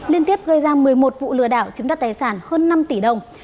liên tiếp gây ra một mươi một vụ lừa đảo chiếm đất tài sản hơn năm tỷ đồng